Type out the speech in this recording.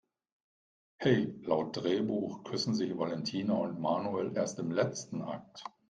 He, laut Drehbuch küssen sich Valentina und Manuel erst im letzten Akt!